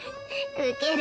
ウケる。